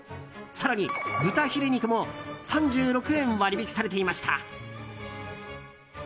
更に、豚ヒレ肉も３６円割引されていました。